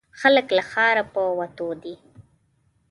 خلک له ښاره په وتو دي.